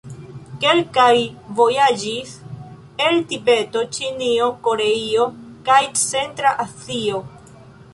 Kelkaj vojaĝis el Tibeto, Ĉinio, Koreio kaj centra Azio.